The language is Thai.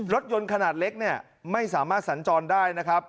รถยนต์ขนาดเล็กเนี่ยไม่สามารถสัญจรได้นะครับ